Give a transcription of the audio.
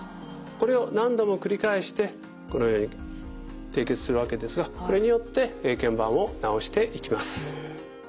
これを何度も繰り返してこのように締結するわけですがこれによってけん板を治していきます。